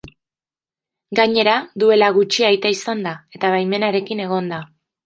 Gainera, duela gutxi aita izan da eta baimenarekin egon da.